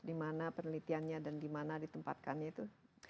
di mana penelitiannya dan di mana ditempatkannya itu